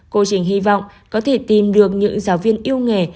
cô trình hy vọng có thể tìm được những giáo viên yêu nghề